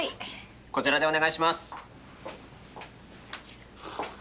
こちらでお願いします。